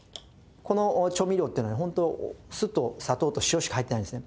この調味料っていうのはホント酢と砂糖と塩しか入ってないんですね。